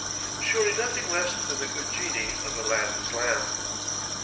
Surely nothing less than the good genii of Aladdin's lamp.